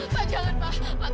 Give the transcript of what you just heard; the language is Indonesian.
pak jangan pak